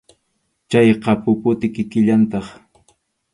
Chayqa puputi kikillantaq.